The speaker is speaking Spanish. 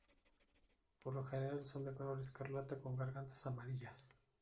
Por lo general son de color escarlata con gargantas amarillas.